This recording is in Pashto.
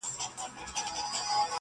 گراني په دې ياغي سيتار راته خبري کوه.